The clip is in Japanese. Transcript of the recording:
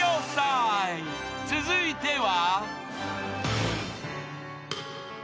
［続いては］